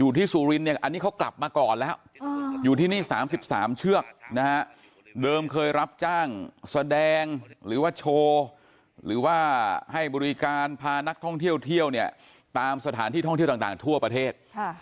ที่สุรินเนี่ยอันนี้เขากลับมาก่อนแล้วอยู่ที่นี่๓๓เชือกนะฮะเดิมเคยรับจ้างแสดงหรือว่าโชว์หรือว่าให้บริการพานักท่องเที่ยวเที่ยวเนี่ยตามสถานที่ท่องเที่ยวต่างทั่วประเทศ